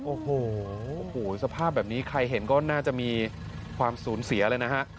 โอ้โหสภาพแบบนี้ใครเห็นก็น่าจะมีความสูญเสียเลยนะฮะ